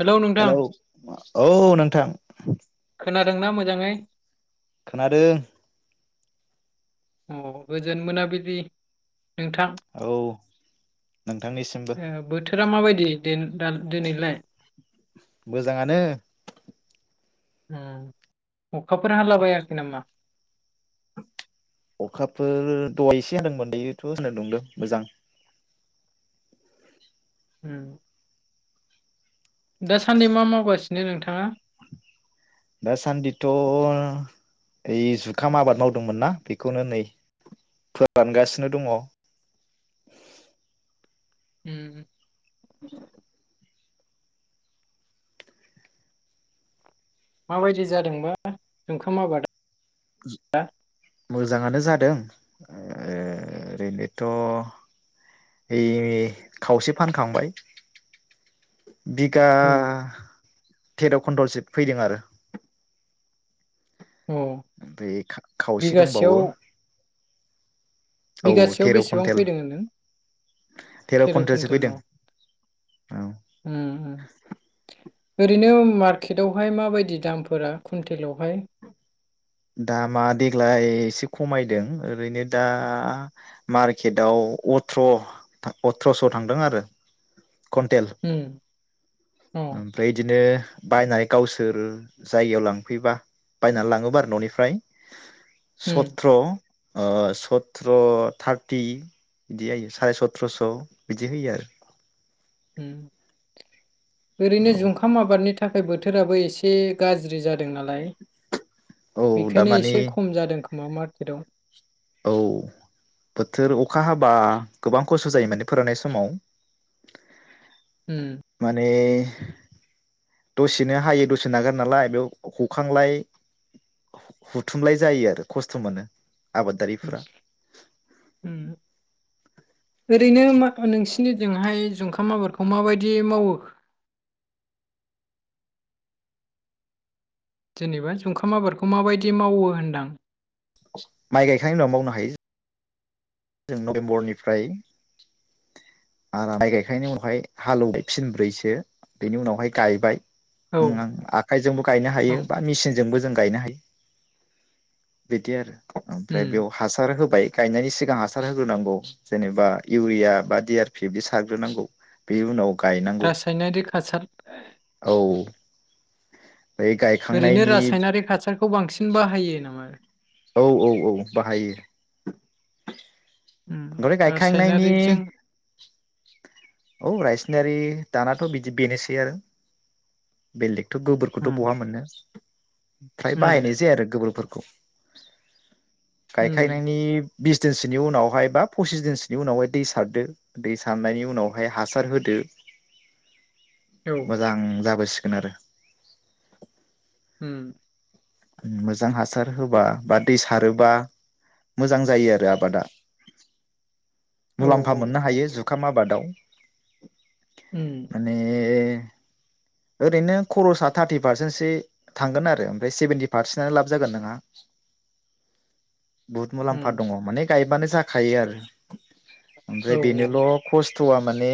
Hello नोंथां hello औ नोंथां खोनादोंना मोजाङै? खोनादों। अ गोजोन मोनाबलि औ नोंथांनिसिमबो। ओ बोथोरा माबायदि देन दा दोनैलाय। मोजाङानो उम अखाफोर हालाबायाखै नामा? अखाफोर दहाय एसे होनदोंमोन दायोथ' सान्दुं दुंदों मोजां। उम। दासान्दि मा मावगासिनो नोंथाङा? दासान्दिथ' ओइ जुखाम आबाद मावदोंमोन ना बेखौनो नै फोरानगासिनो दंङ। उम। माबायदि जादोंबा जुखाम आबा-दा? मोजांङानो जादों ओ ओरैनोथ ऐ खावसे फानखांबाय। बिगा उम तेरकुन्टलसो फैदों आरो। अ ओफ्राय खावसे बिगासेयाव दंबावो औ बिगासेयाव तेर' बेसेबां कुन्टेल फैदों होनदों तेर' थेर' कुन्टेलसो कुइन्टेल अ। फैदों औ उम। ओरैनो मार्केटावहाय माबायदि दामफोरा कुन्टेलावहाय? दामा देग्लाय एसे खमायदों ओरैनो दा मारकेटआव अथ्र अथ्रस' थांदों आरो। कुन्टेल उम अ ओमफ्राय इदिनो बायनानै गावसोर जायगायाव लांफैबा बायनानै लाङोबा बारो न'निफ्राय उम सत्र ओ सत्र थार्टि बिदि जायो सारि सथ्रस' बिदि होयो आरो। उम ओरैनो औ जुंखाम आबादनि था थाखाय बोथोराबो एसे गाज्रि जादों। दों नालाय औ बेखायनो दामानि एसे खम जादों खो मा मार्कतदाव। औ बोथोर अखा हाबा गोबां खस्थ' जायो माने फोरोंनाय समाव उम माने दसेनो हायो दसे नागार नालाय बेयाव हखांलाय हुथुमलाय जायो आरो खस्थ' मोनो। उम आबादारिफोरा उम [unintelligible] इनिदिंहाय जुंखाम आबादखौ माबायदि मावो? जेनेबा जुंखाम आबादखौ माबायदि मावो होनदां? माइ गायखांनायनि उनाव मावनो हायो। जों नभेम्बरनिफ्राय आर माइ गायखांनायनि उनावहाय हालौव फिनब्रैसो बेनि उनावहाय गायबाय औ ओम आं आखायजोंबो गायनो औ हायो बा मेसिनजोंबो जों गायनो हायो। बेदि आरो उम ओमफ्राय बेयाव हासार होबाय गायनायनि सिगां हास रोनांगौ जेनेबा इउरिया बा डि आर पिदि सारग्रोनांगौ बेनि उनाव गायनांगौ रासायनारिक हासार औ बे ओरैनो गायखांनायनि रासायनारि हासार खौ बांसिन बाहायो नामा? औ औ औ बाहायो। उम दय गायखांनायनि रासायनारिकजों औ रायसनारि दानाथ' बिदि बेनोसै आरो बेलेग थ' गोबोरखौथ' उम बहा मोनो। ओमफ्राय उम बाहायनाय जायो आरो गोबोरफोरखौ [unintelligible] गाय उम खायनायनायनि बिस दिनसोनि उनावहाय बा पसिस दिनसोनि उनावहाय दै सारदो दै सारनायनि उनाव बेहाय हासार होदो। औ मोजां जाबाय सिगोन आरो उम मोजां हासार होबा बा दै सारोबा मोजां जायो आरो आबादा। औ मुलाम्फा मोननो हायो जुखाम आबादाव, उम माने ओरैनो खरसा थारटि पारसेसो थांगोन आरो ओमफ्राय सेभेन्टि पारसेटनो लाब जागोन नोंहा। बुहुत उम मुलाम्फा दंङ माने गायबानो जाखायो आरो ओमफ्राय औ औ बेनोल' खस खस्थ'आ माने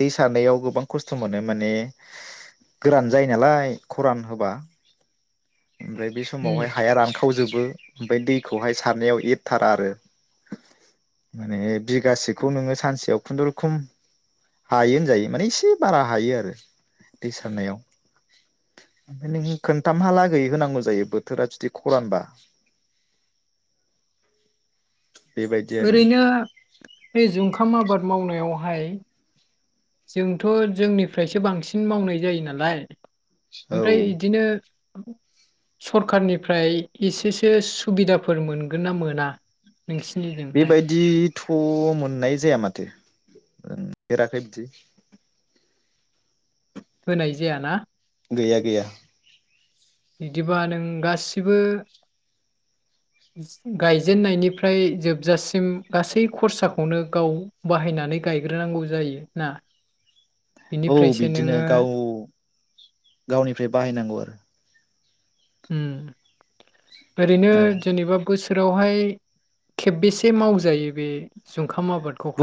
दै सारनायाव गोबां खस्थ' मोनो माने गोरान जायो नालाय खरान होबा। ओमफ्राय बे उम समावहाय हाया रानखावजोब बो ओमफाय दैखौहाय सारनायाव एरथारा आरो। माने बिगासेखौ नोङो सानसेयाव खुनुरुखुम हायो होनजायो माने एसे बारा हायो आरो दै सारनायाव ओमफाय नों खोनथामहालागै होनांगौ जायो बोथोरा जुदि खरानबा। बेबायदि आरो। ओरैनो बे जुंखाम आबाद मावनायावहाय जोंथ' जोंनिफ्रायसो बांसिन मावनाय जायो नालाय। औ ओमफ्राय इदिनो सरखारारनिफ्राय एसेसो सुबिदाफोर मोनगोन ना मोना? नोंसिनिजोंहाय बेबायदिथ' मोननाय जाया माथो ओम देराखै बिदि। होनाय जायाना गैया गैया। बिदिबा नों गासिबो गायजेननायनिफ्राय जोबजासिम गासै खरसाखौनो गाव बाहायनानै गायग्रोनांगौ जायो ना औ बिनिफ्रायसो बिदिनो नोङो गाव गावनिफ्राय बाहायनांगौ आरो। हम ओरैनो औ जेनेबा बोस बेवहाय खेबबेसे मावजायो बे जुं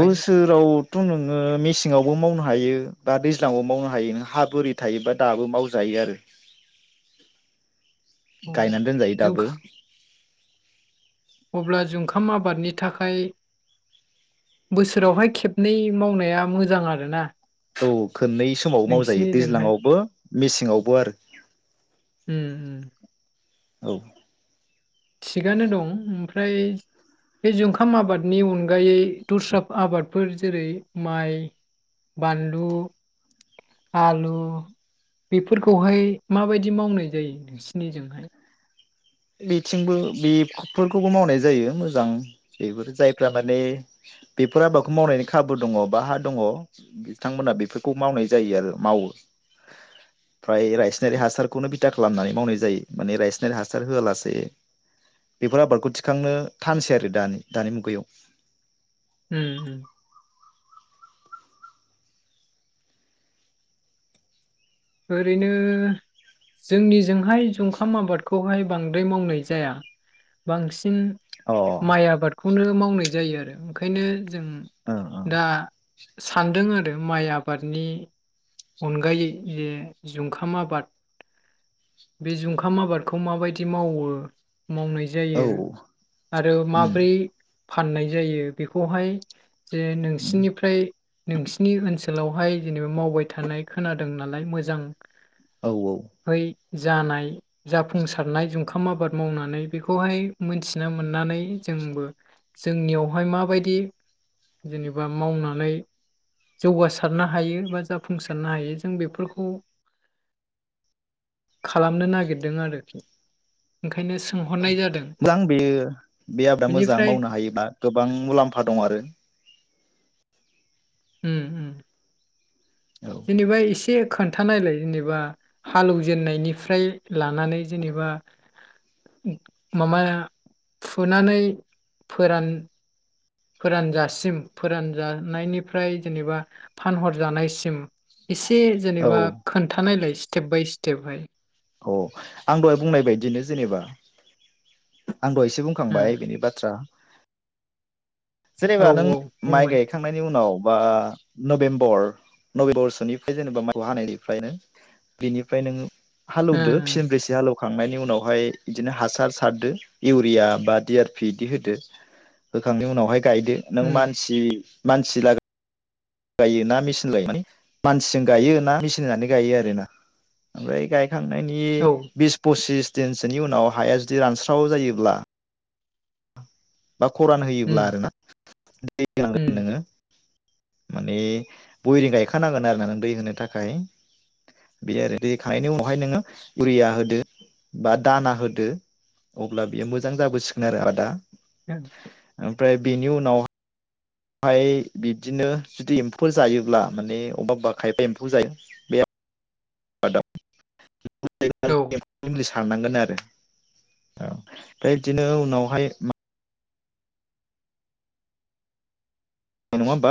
बोसोरावथ' नोङो मेसेङावबो मावनो हायो। बा दैज्लांयाव मावनो हायो नों हा बोरि थायोबा दाबो मावजायो आरो। अ गायनानै दोनजायो जुंखा दाबो। अब्ला जुंखाम आबादनि थाखाय बोसोरावहाय खेबनै मावनाया मोजां आरोना। औ खोननै समावबो मावजायो नोंसिनिजोंहाय दैज्लांआवबो मेसेङावबो आरो। उम औ। थिगानो दं ओमफ्राय बे जुखाम आबादनि अनगायै दुस्रा आबादफोर जेरै माइ बानलु आलु बेफोरखौहाय माबायदि मावनाय जायो नोंसिनिजोंहाय? बेथिंबो बेफोरखौबो मावनाय जायो मोजां बेफोर जायफ्रा माने बेफोर आबादखौ मावनायनि खाबु दङ बा हा दङ बिथांमोनहा बेफोरखौ मावनाय जायो आरो मावो फ्राय रायसनारि हासारखौनो बिथा खालामनानै मावनाय जायो माने रायसनारि हासार हासार होआलासेै बेफोर आबादखौ थिखांनो थानसै आरो दानि दानि मुगायाव। उम उम ओरैनो जोंनिजोंहाय जुंखाम आबादखौहाय बांद्राय मावनाय जाया बांसि उम अ ओ माइ आबादखौनो मावनाय जायो आरो ओंखायनो जों ओ दा सानदों आरो माइ आबादनि अनगायै जे जुंखाम आबाद बे जुंखाम आबादखौ माबायदि मावो मावनाय जायो औ आरो उम माब्रै फाननाय जायो बेखौहाय जे उम नोंसिनिफ्राय नोंसिनि ओनसोल सोलावहाय जेनेबा मावबाय थानाय खोनादों नालाय मोजां औ औ। जानाय जाफुंसारनाय जुखाम आबाद मावनानै बेखौहाय मोनथिनो मोननानै जोंबो जोंनियावहाय माबायदि जेनेबा मावनानै जौगासारनो हायो बा जाफुंसारनो हायो जों बेफोरखौ, [inaudible] खालामनो नागिरदों आरोखि ओंखायनो सोंहरनाय जादों मोजां बेयो बे आबादा मोजां बेनिफ्राय मावनो हायोबा गोबां मुलाम्फा दं आरो उम उम। औ जेनेबा एसे खोन्था नायलाय जेनेबा हालौव जेननायनिफ्राय लानानै जेनेबा माबा फुनानै फोरान फोरानजासिम फोरान जानायनिफ्राय जेनेबा फानहर जानायसिम। एसे औ जेनेबा खोन्था नायलाय। टेपबाय सिटेप बाय। अ आं दहाय बुंनाय बायदिनो जेनेबा आं दहायसो बुंखांबाय ओ बिनि बाथ्रा औ जेनेबा नों माइ बुंबाय गायखांनायनि उनाव बा नभेम्बर नभेम्बरसोनिफ्राय जेनेबा माइखौ हानायनिफ्रायनो बेनिफ्राय नों ओ हालौदो फिसिनब्रैसो हालौ खांनायनि उनावहाय बिदिनो हासार सारदो इउरिया डि आर पि बिदि होदो होखांनायनि उनाव गायदो नों उम मानसि मानसि ला गायोना मेचिन लायो माने मानसिजों गायोना मेचिन होनानै गायो आरोना ओमफ्राय गाय खांनायनि औ बिस पसिस दिनसोनि उनाव हाया जुदि रानस्राव जायोब्ला बा खरान जायोब्ला उम आरोना दै [unintelligible] उम नोङो। माने बयरिं गायखानांगोन आरोना नों दै होनो थाखाय बे आरो दै होखांनायनि उनावहाय उरिया होदो बा दाना होदो अब्ला बेयो मोजां जाबोसिगोन आरो आबादा उम। ओमफ्राय बेनि उनाव हाय बिब्दिनो जुदि एम्फौ जायोब्ला माने अबा अबेबा खायफा एम्फौ जायो बेया [unintelligible] औ। थांनांगोन आरो। औ, ओमफ्राय बिदिनो उनावहाय मा अ नङा होनबा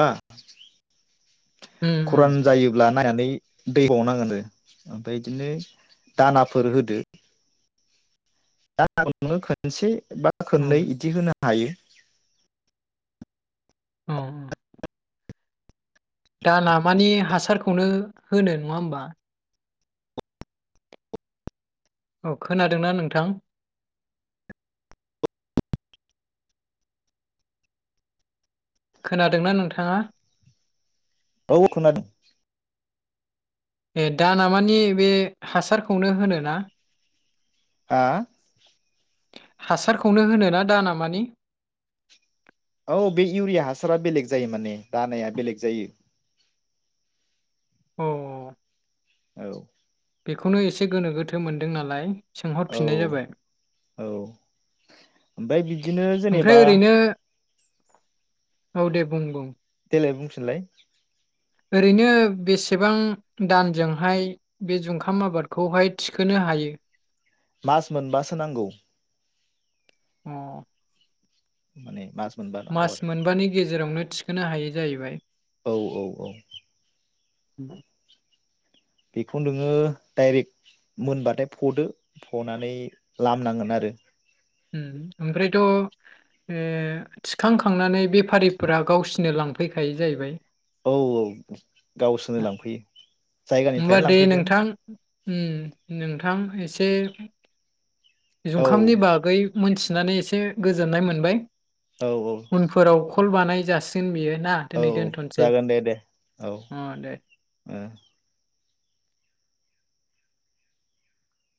उम खरान जायोब्ला नायनानै दै [unintelligible] ओमफ्राय बिदिनो दानाफोर होदो [inaudible] दानाखौ नोङो खोनसे बा खननै औ बिदि होनो हा हायो। औ दाना मानि हासारखौनो होनो नङा होमबा? औ खोनादोंना नोंथां खोनादोंना नोंथाङा? औ खोनादों। ए दा ना मानि बे हासारखौनो होनो ना। हा? हासारखौनो होनोना दा नामानि? औ बे इउरिया हासारा बेलेग जायो माने दानाया बेलेग जायो। औ। औ बेखौनो एसे गोनो गोथो मोनदों नालाय। औ सोंहरफिननाय जाबाय औ ओमफ्राय बिदिनो जेनेबा ओमफ्राय ओरैनो औ दे बुं बुं। देलाय बुंफिनलाय ओरैनो बेसेबां दानजोंहाय बे जुंखाम आबादखौहाय थिखोनो हायो? मास मोनबासो नांगौ। अ। माने मा मास मोनबानि गेजेरावनो थिखोनो हायै जाहैबाय। औ औ औ। औ। बेखौ नोङो डाइरेक्ट मोनबाथाय फदो, फनानै लामनांगोन आरो। उम ओमफ्रायथ' थिखांखांनानै बेफारिफोरा गावसिनो लांफैखायो जाहैबाय। औ औ गावसोरनो लांफैयो होमबा जायगानिफ्रायनो दैे लांफैगोन नोंथां उम, नोंथां एसे औ जुखामनि बागै। मोनथिनानै एसे गोजोननाय मोनबाय। औ औष [unintelligible] बानाय जासिगोन बियो। ना औ दिनै औ दोनथ'नोसै जागोन दे दे अ दे औ।